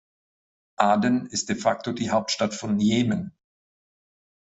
Aden ist de facto die Hauptstadt von Jemen.